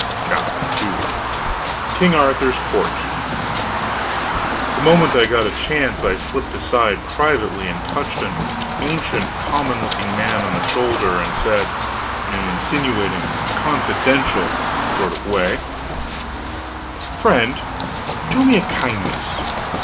CHAPTER II KING ARTHUR'S COURT The moment I got a chance I slipped aside privately and touched an ancient common looking man on the shoulder and said, in an insinuating, confidential way: "Friend, do me a kindness.